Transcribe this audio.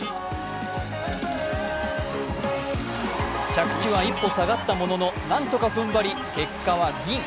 着地は一歩下がったものの、何とか踏ん張り、結果はギン。